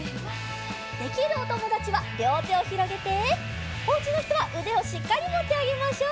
できるおともだちはりょうてをひろげておうちのひとはうでをしっかりもってあげましょう。